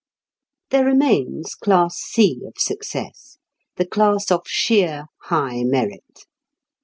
There remains class C of success the class of sheer high merit.